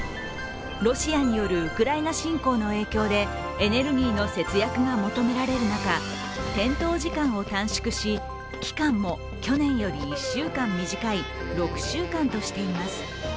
ロシアによるウクライナ侵攻の影響でエネルギーの節約が求められる中、点灯時間を短縮し、期間も去年より１週間短い６週間としています。